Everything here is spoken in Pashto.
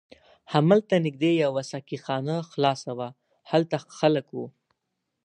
هملته نږدې یوه ساقي خانه خلاصه وه، هلته خلک و.